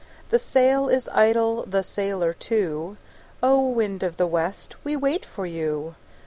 The sail is idle, the sailor too; O! wind of the west, we wait for you.